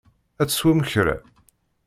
Ad teswem kra?